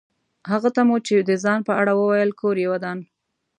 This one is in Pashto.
هغه ته مو چې د ځان په اړه وویل کور یې ودان.